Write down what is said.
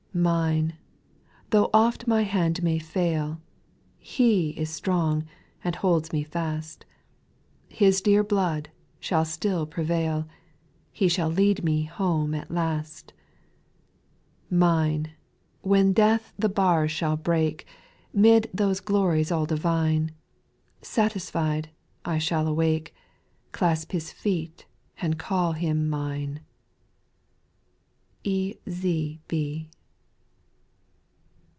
9. Mine I tho' oft my hand may fail, lie is strong, and holds me fast ; His dear blood shall still prevail, He shall lead me home at last. 10. Mine ! when death the bars shall break, 'Mid those glories all divine, " Satisfied," I shall awake, Clasp His feet, and call Him mine, B.